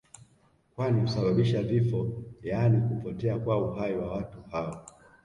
kwani husababisha vifo yaani kupotea kwa uhai wa watu hao